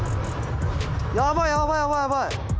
やばいやばいやばいやばい！